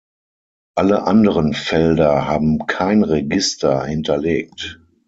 Alle anderen Felder haben kein Register hinterlegt.